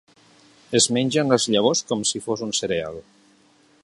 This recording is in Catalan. Es mengen les seves llavors com si fos un cereal.